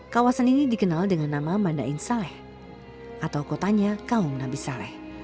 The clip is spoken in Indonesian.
kawasan ini dikenal dengan nama mandain saleh atau kotanya kaum nabi saleh